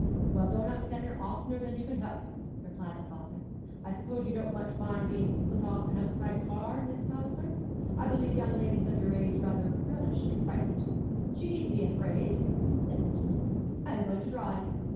'Well, don't upset her oftener than you can help,' replied the father. 'I suppose you don't much mind being spilt off an outside car, Miss Palliser? I believe young ladies of your age rather relish the excitement.' 'She needn't be afraid,' said Reginald; 'I am going to drive.'